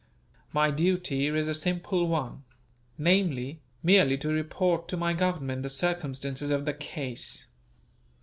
My duty is a simple one: namely, merely to report to my Government the circumstances of the case."